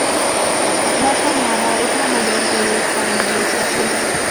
Mota Lava es la mayor de esta cadena de islas oriental.